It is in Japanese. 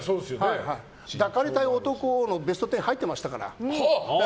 抱かれたい男のベスト１０に入ってましたから。